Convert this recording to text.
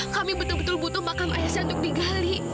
kami betul betul butuh makan ayah saya untuk digali